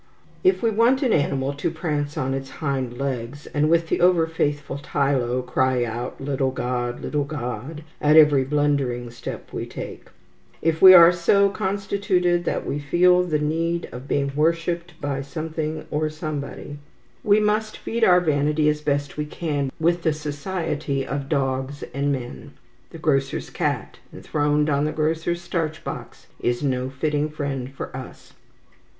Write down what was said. If we want an animal to prance on its hind legs, and, with the over faithful Tylo, cry out, "little god, little god," at every blundering step we take; if we are so constituted that we feel the need of being worshipped by something or somebody, we must feed our vanity as best we can with the society of dogs and men. The grocer's cat, enthroned on the grocer's starch box, is no fitting friend for us.